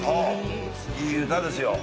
いい歌ですよ。